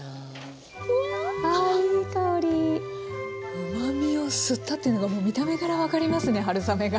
うまみを吸ったっていうのがもう見た目から分かりますね春雨が。